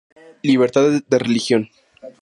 Libertad de religión.